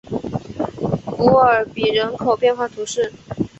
古尔比人口变化图示